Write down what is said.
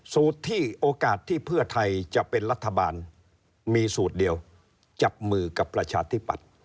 สูตรที่โอกาสที่เพื่อไทยจะเป็นรัฐบาลมีสูตรเดียวจับมือกับประชาธิปัตย์